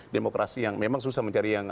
demokrasi yang memang susah mencari yang